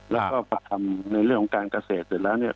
แล้วก็พอทำในเรื่องของการเกษตรเสร็จแล้วเนี่ย